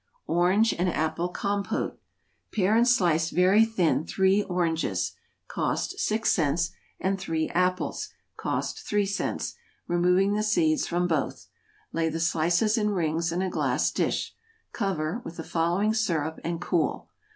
=Orange and Apple Compôte.= Pare and slice very thin three oranges, (cost six cents,) and three apples, (cost three cents,) removing the seeds from both: lay the slices in rings in a glass dish, cover, with the following syrup, and cool.